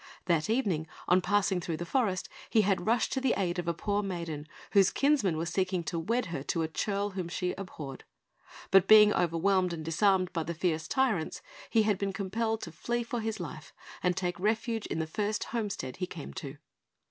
That evening, on passing through the forest, he had rushed to the aid of a poor maiden, whose kinsmen were seeking to wed her to a churl whom she abhorred; but being overwhelmed and disarmed by the fierce tyrants, he had been compelled to flee for his life and take refuge in the first homestead he came to.